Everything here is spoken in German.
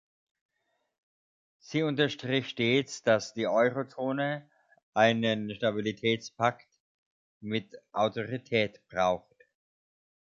Sie unterstrich stets, dass die Eurozone einen Stabilitätspakt mit Autorität braucht.